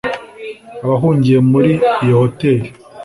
Abahungiye muri iyo hoteli